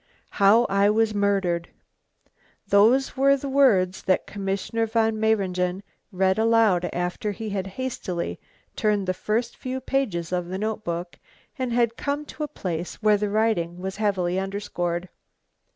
"How I was murdered." Those were the words that Commissioner von Mayringen read aloud after he had hastily turned the first few pages of the notebook, and had come to a place where the writing was heavily underscored.